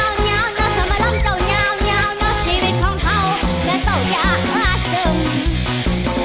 เงียวเงียวน่าสมรรณเจ้าเงียวเงียวน่าชีวิตของเขาน่าเศร้าอย่างอาศิลป์